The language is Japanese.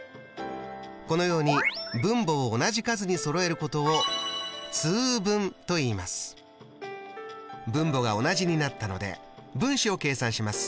このように分母を同じ数にそろえることを分母が同じになったので分子を計算します。